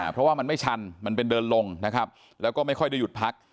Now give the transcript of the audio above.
เพราะว่ามันไม่ชันมันเป็นเดินลงนะครับแล้วก็ไม่ค่อยได้หยุดพัก